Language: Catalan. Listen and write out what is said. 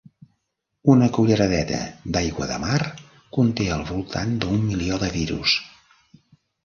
Una culleradeta d'aigua de mar conté al voltant d'un milió de virus.